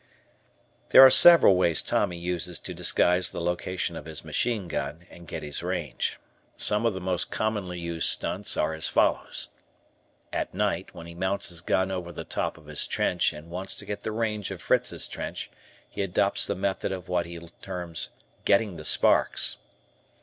There are several ways Tommy uses to disguise the location of his machine gun and get his range. Some of the most commonly used stunts are as follows: At night, when he mounts his gun over the top of his trench and wants to get the range of Fritz's trench he adopts the method of what he terms "getting the sparks."